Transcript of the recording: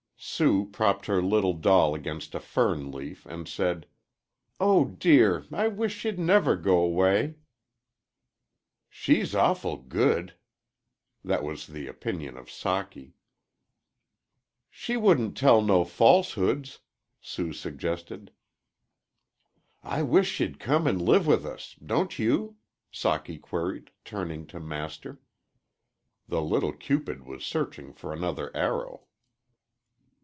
Sue propped her little doll against a fern leaf and said: "Oh, dear! I wish she'd never go 'way." "She's awful good" that was the opinion of Socky. "She wouldn't tell no falsehoods," Sue suggested. "I wish she'd come an' live with us; don't you?" Socky queried, turning to Master. The little Cupid was searching for another arrow.